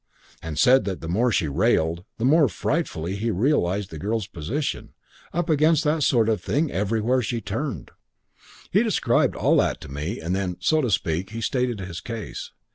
And he said that the more she railed, the more frightfully he realised the girl's position, up against that sort of thing everywhere she turned. "He described all that to me and then, so to speak, he stated his case.